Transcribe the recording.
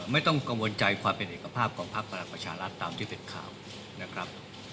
ไม่ต้องกังวลใจความเป็นเอกภาพของพักพลังประชารัฐตามที่เป็นข่าวนะครับ